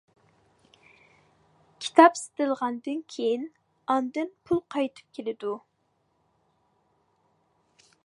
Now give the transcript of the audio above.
كىتاب سېتىلغاندىن كېيىن ئاندىن پۇل قايتىپ كېلىدۇ.